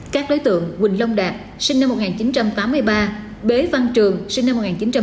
các đối tượng quỳnh long đạt sinh năm một nghìn chín trăm tám mươi ba bế văn trường sinh năm một nghìn chín trăm tám mươi